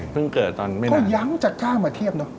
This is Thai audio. เพิ่งเกิดตอนไม่นานก็ยังจะก้ามาเทียบเนอะ